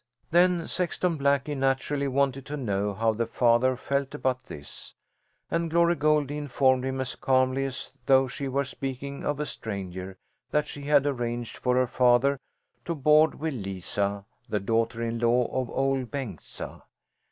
Then Sexton Blackie naturally wanted to know how the father felt about this, and Glory Goldie informed him as calmly as though she were speaking of a stranger that she had arranged for her father to board with Lisa, the daughter in law of Ol' Bengtsa.